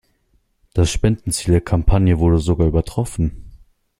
Das Spendenziel der Kampagne wurde sogar übertroffen.